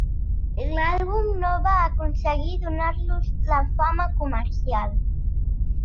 L'àlbum no va aconseguir donar-los la fama comercial.